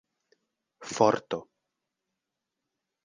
forto